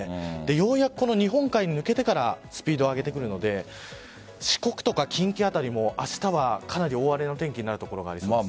ようやく日本海に抜けてからスピードを上げてくるので四国や近畿辺りも明日はかなり大荒れの天気になる所がありそうです。